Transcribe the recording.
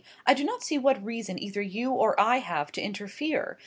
I do not see what reason either you or I have to interfere.